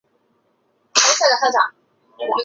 西北鸦的主羽与短嘴鸦差不多相同。